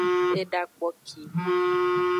Eda kpoki.